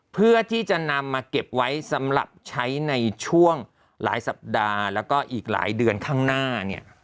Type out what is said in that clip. เพื่อที่จะนำมาเก็บไว้สำหรับใช้ในช่วงหลายสัปดาห์แล้วก็อีกหลายเดือนข้างหน้าเนี่ย